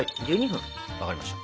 分かりました。